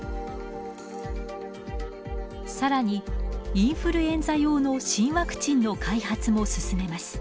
更にインフルエンザ用の新ワクチンの開発も進めます。